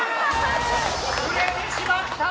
ふれてしまった！